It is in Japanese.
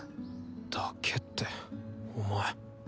だけってお前。